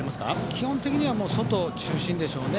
基本的には外中心でしょう。